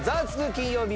金曜日』